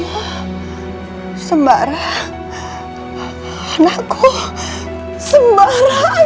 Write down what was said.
ya allah sembarang anakku sembarang